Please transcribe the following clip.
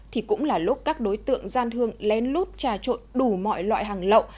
thì cũng là lúc các đối tượng gian thương lén lút trà trội đủ mọi loại hàng lậu